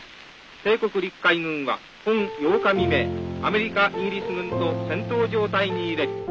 帝国陸海軍は本８日未明アメリカイギリス軍と戦闘状態に入れり」。